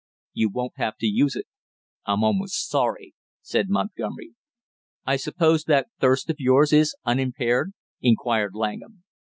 "You won't have to use it." "I'm almost sorry," said Montgomery. "I suppose that thirst of yours is unimpaired?" inquired Langham.